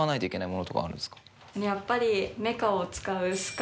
やっぱり。